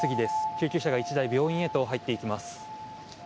救急車が１台病院へと入っていきます。